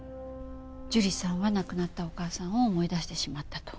樹里さんは亡くなったお母さんを思い出してしまったと。